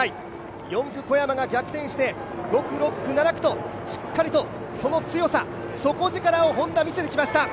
４区小山が逆転して５区、６区、７区としっかりとその強さ、底力をＨｏｎｄａは見せてきました。